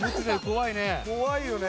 怖いよね。